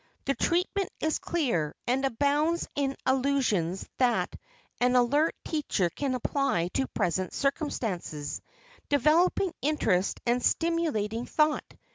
The treatment is clear, and abounds in allusions that an alert teacher can apply to present circumstances, developing interest and stimulating thought.